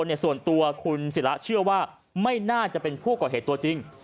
ส่วนตัวคุณศิระเชื่อว่าไม่น่าจะเป็นผู้ก่อเหตุตัวจริง